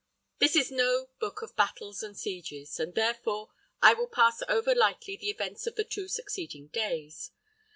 This is no hook of battles and sieges, and, therefore, I will pass over lightly the events of the two succeeding days.